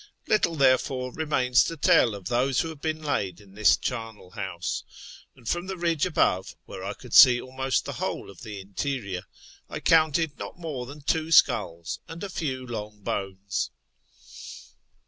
Little, therefore, remains to tell of those who have been laid in this charnel house ; and from the ridge above, where I could see almost the whole of the interior, I counted not more than two skulls and a few long bones.